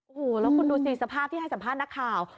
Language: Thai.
โอ้โหแล้วคุณดูสิสภาพที่ให้สัมภาษณ์นักข่าว